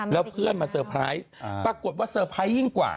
แล้วเพื่อนมาเตอร์ไพรส์ปรากฏว่าเตอร์ไพรส์ยิ่งกว่า